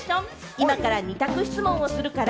今から二択質問をするから。